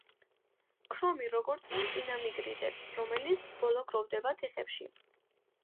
ქრომი როგორც რკინა მიგრირებს, რომელიც ბოლოს გროვდება თიხებში.